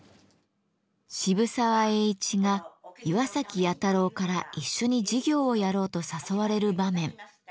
渋沢栄一が岩崎弥太郎から一緒に事業をやろうと誘われる場面。